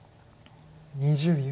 ２０秒。